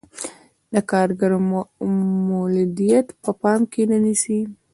د کارګرو مولدیت په پام کې نه نیسي.